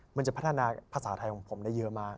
มันจะพัฒนาภาษาไทยของผมได้เยอะมาก